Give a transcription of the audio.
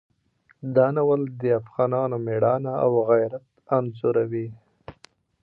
دا ناول د افغانانو مېړانه او غیرت انځوروي.